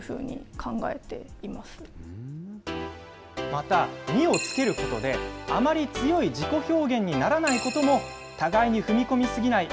また、みを付けることで、あまり強い自己表現にならないことも、互いに踏み込み過ぎない